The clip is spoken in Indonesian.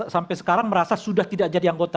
sampai sekarang merasa sudah tidak jadi anggota